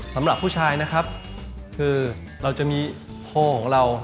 สำหรับผู้ชายนะครับคือเราจะมีโพลของเรา